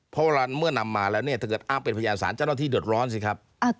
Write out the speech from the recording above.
เพราะเวลาเมื่อนำมาแล้วเนี่ยถ้าเกิดอ้างเป็นพยานสารเจ้าหน้าที่เดือดร้อนสิครับ